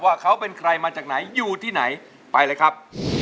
ว่าเขาเป็นใครมาจากไหนอยู่ที่ไหนไปเลยครับ